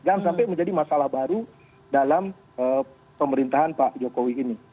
jangan sampai menjadi masalah baru dalam pemerintahan pak jokowi ini